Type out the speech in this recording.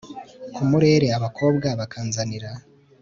ku murere abakobwa bakanzanira